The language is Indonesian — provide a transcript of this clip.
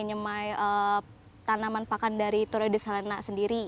nyemai tanaman pakan dari troides helena sendiri